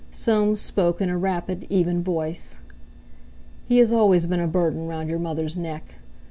Soames spoke in a rapid, even voice: "He has always been a burden round your mother's neck.